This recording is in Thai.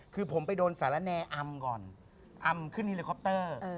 คือผมไปโดนสารแนอัมก่อนอัมขึ้นทีเล็กอปเตอร์